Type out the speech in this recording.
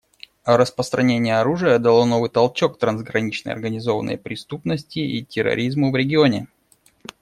Распространение оружия дало новый толчок трансграничной организованной преступности и терроризму в регионе.